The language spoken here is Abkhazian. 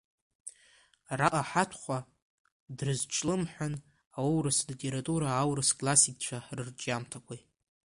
Араҟа Ҳаҭхәа дрызҿлымҳан аурыс литературеи аурыс классикцәа рырҿиамҭақәеи.